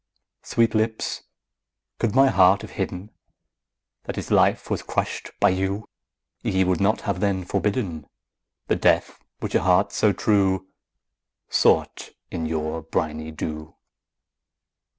_15 4. Sweet lips, could my heart have hidden That its life was crushed by you, Ye would not have then forbidden The death which a heart so true Sought in your briny dew.